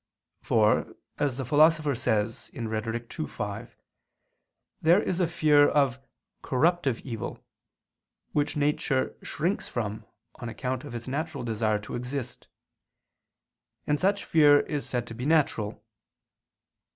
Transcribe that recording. For, as the Philosopher says (Rhet. ii, 5), there is a fear of "corruptive evil," which nature shrinks from on account of its natural desire to exist; and such fear is said to be natural.